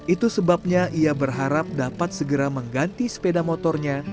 itu sebabnya ia berharap dapat segera mengganti sepeda motornya